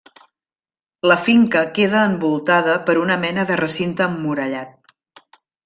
La finca queda envoltada per una mena de recinte emmurallat.